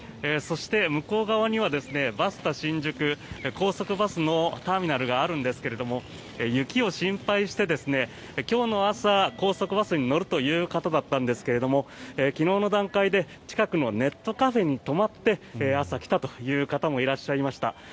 そして向こう側にはバスタ新宿高速バスのターミナルがあるんですけれど雪を心配して、今日の朝高速バスに乗るという方だったんですが昨日の段階で近くのネットカフェに泊まって朝来たという方もいらっしゃいました。